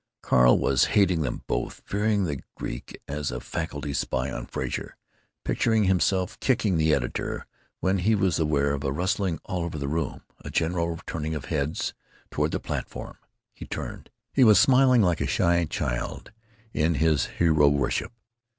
Carl was hating them both, fearing the Greek as a faculty spy on Frazer, picturing himself kicking the editor, when he was aware of a rustling all over the room, of a general turning of heads toward the platform. He turned. He was smiling like a shy child in his hero worship.